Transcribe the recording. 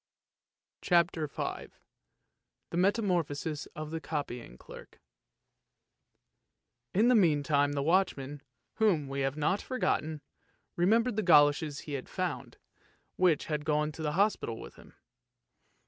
CHAPTER V THE METAMORPHOSIS OF THE COPYING CLERK In the meantime the watchman, whom we have not for gotten, remembered the goloshes he had found, which had gone to the hospital with him.